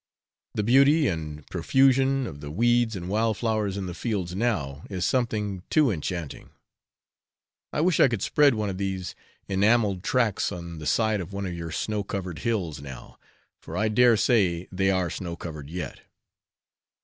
The beauty and profusion of the weeds and wild flowers in the fields now is something, too, enchanting. I wish I could spread one of these enamelled tracts on the side of one of your snow covered hills now for I daresay they are snow covered yet.